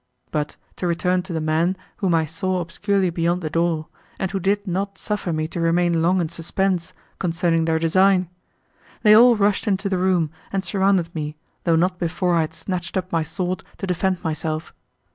—But, to return to the men, whom I saw obscurely beyond the door, and who did not suffer me to remain long in suspense, concerning their design. They all rushed into the room, and surrounded me, though not before I had snatched up my sword to defend myself.